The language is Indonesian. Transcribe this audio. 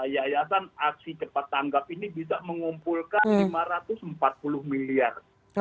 yayasan aksi cepat tanggap ini bisa mengumpulkan lima ratus empat puluh miliar